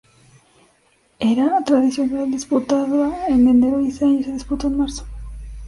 Era tradicional disputaba en enero y ese año se disputó en marzo.